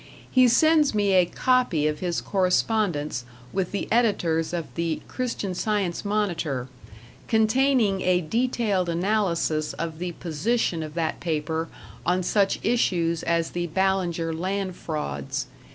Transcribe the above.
He sends me a copy of his correspondence with the editors of the "Christian Science Monitor", containing a detailed analysis of the position of that paper on such issues as the Ballinger land frauds.